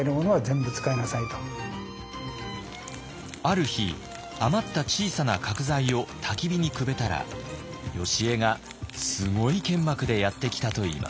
ある日余った小さな角材をたき火にくべたらよしえがすごい剣幕でやって来たといいます。